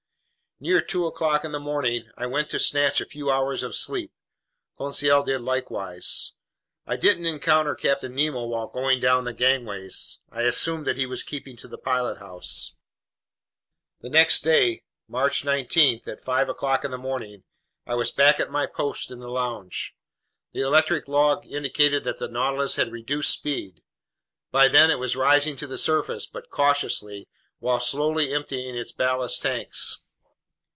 Near two o'clock in the morning, I went to snatch a few hours of sleep. Conseil did likewise. I didn't encounter Captain Nemo while going down the gangways. I assumed that he was keeping to the pilothouse. The next day, March 19, at five o'clock in the morning, I was back at my post in the lounge. The electric log indicated that the Nautilus had reduced speed. By then it was rising to the surface, but cautiously, while slowly emptying its ballast tanks.